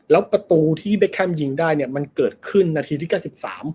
แล้วประตูที่เบคแคมป์ยิงได้มันเกิดขึ้นนาทีที่๙๓